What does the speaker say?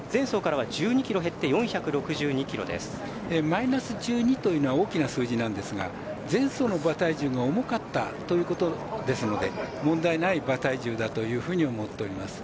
マイナス１２というのは大きな数字なんですが前走の馬体重が重かったということですので問題ない馬体重だというふうに思っております。